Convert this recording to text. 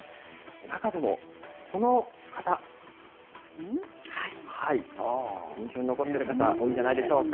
中でも、この方、印象に残っている方、多いんじゃないでしょうか。